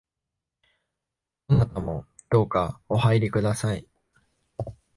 どなたもどうかお入りください